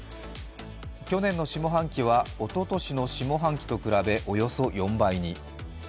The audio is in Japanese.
去年の下半期は、おととしの下半期と比べおよそ４倍に。